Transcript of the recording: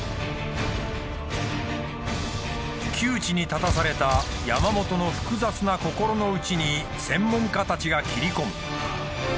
窮地に立たされた山本の複雑な心の内に専門家たちが切り込む。